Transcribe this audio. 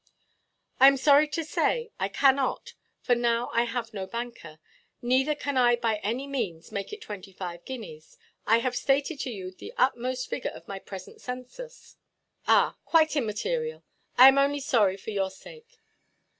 "I am sorry to say I cannot; for now I have no banker. Neither can I by any means make it twenty–five guineas. I have stated to you the utmost figure of my present census." "Ah, quite immaterial. I am only sorry for your sake.